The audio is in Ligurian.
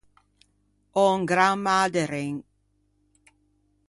Ò un gran mâ de ren.